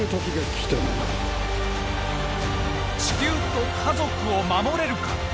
地球と家族を守れるか？